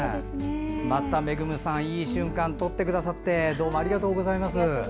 めぐむさん、いい瞬間を撮ってくださってどうもありがとうございます。